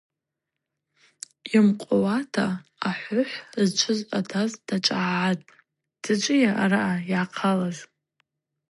Йымкъвауата ахӏвыхӏв зчӏвыз атажв дгӏачӏвагӏгӏатӏ: Дзачӏвыйа араъа йгӏахъалыз?